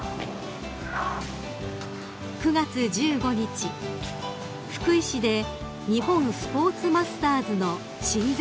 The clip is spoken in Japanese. ［９月１５日福井市で日本スポーツマスターズの親善